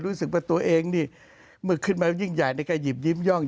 รู้สึกว่าตัวเองนี่เมื่อขึ้นมายิ่งใหญ่นี่ก็หยิบยิ้มย่อง